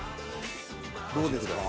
どうですか？